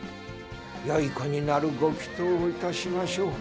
よい子になるご祈とうをいたしましょう。